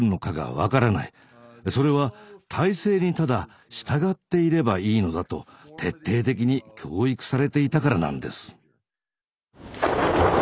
それは体制にただ従っていればいいのだと徹底的に教育されていたからなんです。